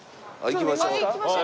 行きましょう。